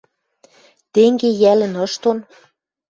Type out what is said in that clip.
Тенге йӓлӹн ыш дон